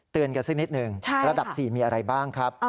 เตือนกันซึ่งนิดนึงระดับ๔มีอะไรบ้างครับ